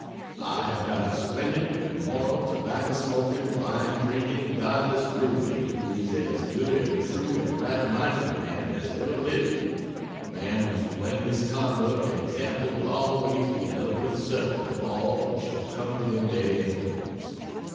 I have got a splendid, immoral, tobacco smoking, wine drinking, godless room mate who is as good and true and right minded a man as ever lived a man whose blameless conduct and example will always be an eloquent sermon to all who shall come within their influence.